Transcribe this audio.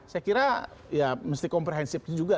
saya kira ya mesti komprehensif juga